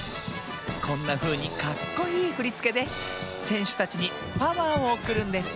こんなふうにかっこいいふりつけでせんしゅたちにパワーをおくるんです